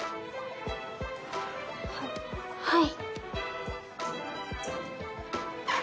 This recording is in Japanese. ははい。